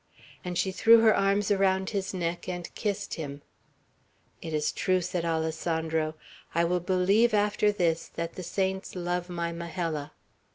and she threw her arms around his neck and kissed him. "It is true," said Alessandro. "I will believe, after this, that the saints love my Majella."